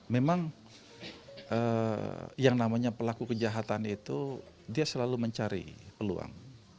memang yang namanya pelaku kejahatan itu dia selalu mencari peluang